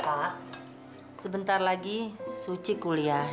pak sebentar lagi suci kuliah